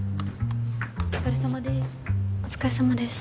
お疲れさまです